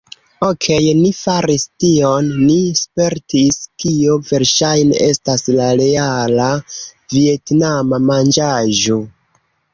"Okej ni faris tion; ni spertis kio verŝajne estas la reala vjetnama manĝaĵo"